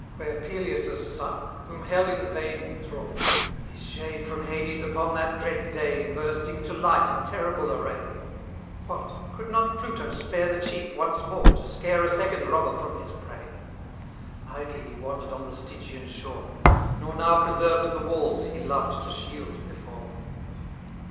Where Peleus' son? whom Hell in vain enthralled, His shade from Hades upon that dread day Bursting to light in terrible array! What! could not Pluto spare the chief once more, To scare a second robber from his prey? Idly he wandered on the Stygian shore, Nor now preserved the walls he loved to shield before.